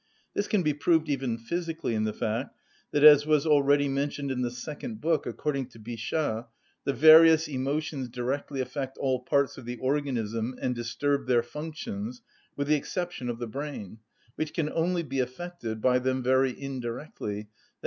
This can be proved even physically in the fact that, as was already mentioned in the second book, according to Bichat, the various emotions directly affect all parts of the organism and disturb their functions, with the exception of the brain, which can only be affected by them very indirectly, _i.